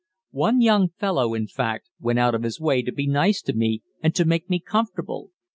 One young fellow, in fact, went out of his way to be nice to me and to make me comfortable.